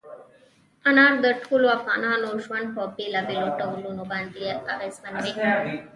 انار د ټولو افغانانو ژوند په بېلابېلو ډولونو باندې اغېزمنوي.